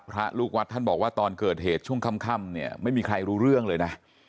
พระลูกวัดท่านบอกว่าตอนเกิดเหตุช่วงค่ำเนี่ยไม่มีใครรู้เรื่องเลยนะ